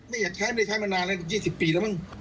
ไม่อยากใช้ไม่ใช้มานานเลย๒๐ปีแล้วมึง